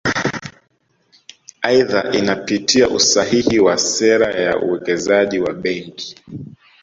Aidha inapitia usahihi wa sera ya uwekezaji ya Benki